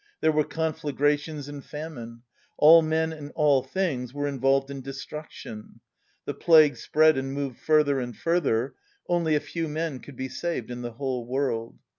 There were conflagrations and famine. All men and all things were involved in destruction. The plague spread and moved further and further. Only a few men could be saved in the whole world.